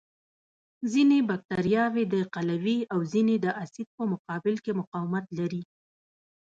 ځینې بکټریاوې د قلوي او ځینې د اسید په مقابل کې مقاومت لري.